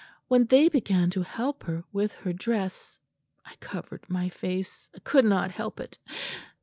When they began to help her with her dress I covered my face I could not help it.